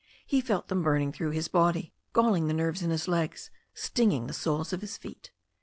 He felt them burning through his body, galling the nerves in his legs, stinging the soles of his feet.